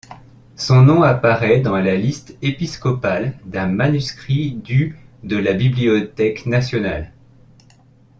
Son nom apparaît dans la liste épiscopale d’un manuscrit du de la Bibliothèque nationale.